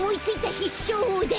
ひっしょうほうだよ。